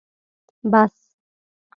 🚍 بس